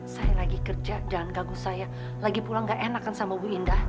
saya lagi kerja jangan ganggu saya lagi pulang gak enak kan sama bu indah